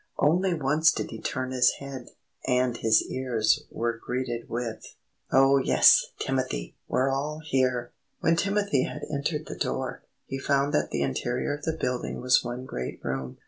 Only once did he turn his head, and his ears were greeted with: "Oh, yes, Timothy! We're all here!" When Timothy had entered the door, he found that the interior of the building was one great room.